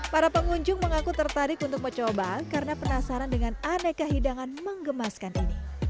para pengunjung mengaku tertarik untuk mencoba karena penasaran dengan aneka hidangan mengemaskan ini